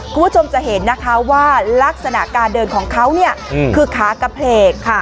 คุณผู้ชมจะเห็นนะคะว่าลักษณะการเดินของเขาเนี่ยคือขากระเพลกค่ะ